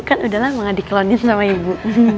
kan udah lama gak diklonis sama ibu